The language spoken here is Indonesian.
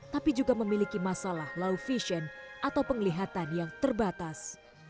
tapi juga memiliki masalah low vision atau penglihatan yang terbatas